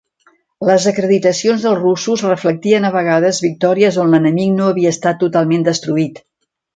Les acreditacions dels russos reflectien a vegades victòries on l'enemic no havia estat totalment destruït.